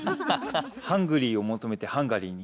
ハングリーを求めてハンガリーに。